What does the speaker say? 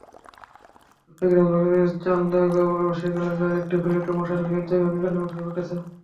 চট্টগ্রাম নগরের চান্দগাঁও আবাসিক এলাকার একটি ফ্ল্যাটে মশার কয়েল থেকে অগ্নিকাণ্ডের ঘটনা ঘটেছে।